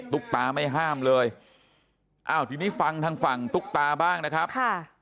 ตาไม่ห้ามเลยอ้าวทีนี้ฟังทางฝั่งตุ๊กตาบ้างนะครับค่ะ